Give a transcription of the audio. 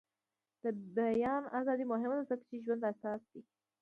د بیان ازادي مهمه ده ځکه چې د ژوند اساس دی.